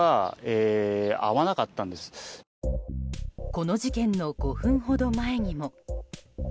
この事件の５分ほど前にも。